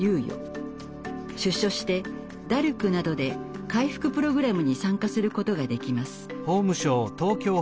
出所してダルクなどで回復プログラムに参加することができます。